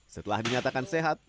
setelah dinyatakan sehat